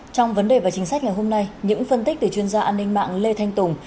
trong vấn đề và chính sách ngày hôm nay những phân tích từ chuyên gia an ninh mạng lê thanh tùng